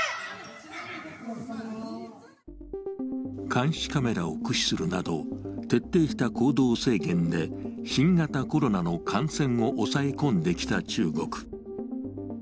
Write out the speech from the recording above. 監視カメラを駆使するなど、徹底した行動制限で新型コロナの感染を抑え込んできた中国。